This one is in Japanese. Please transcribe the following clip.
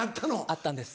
あったんです。